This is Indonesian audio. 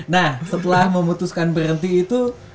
nah setelah memutuskan berhenti itu